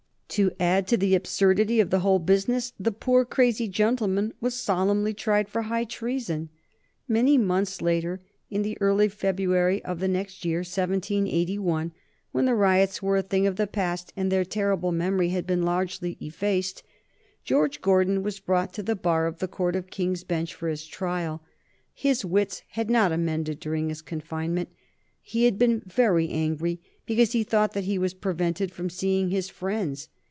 To add to the absurdity of the whole business, the poor crazy gentleman was solemnly tried for high treason. Many months later, in the early February of the next year, 1781, when the riots were a thing of the past, and their terrible memory had been largely effaced, George Gordon was brought to the Bar of the Court of King's Bench for his trial. His wits had not mended during his confinement. He had been very angry because he thought that he was prevented from seeing his friends.